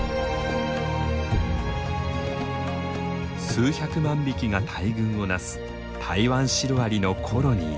数百万匹が大群を成すタイワンシロアリのコロニー。